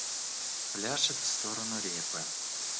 Пляшет в сторону репы.